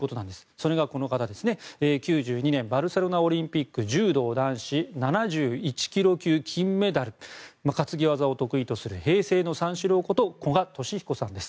それが９２年バルセロナオリンピック柔道男子７１ｋｇ級金メダル担ぎ技を得意とする平成の三四郎こと古賀稔彦さんです。